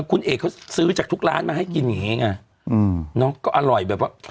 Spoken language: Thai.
คุณเอกเขาซื้อจากทุกร้านมาให้กินอย่างนี้ไงอืมเนาะก็อร่อยแบบว่า